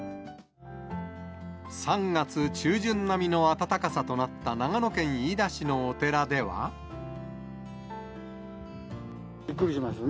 ３月中旬並みの暖かさとなっびっくりしますね。